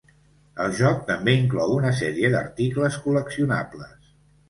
El joc també inclou una sèrie d’articles col·leccionables.